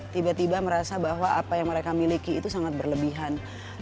tiba tiba merasa bahwa apa yang mereka miliki itu sangat berlebihan